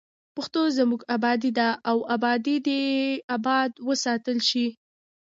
پښتو زموږ ابادي ده او ابادي دې اباد وساتل شي.